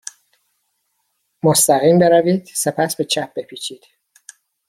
مستقیم بروید. سپس به چپ بپیچید.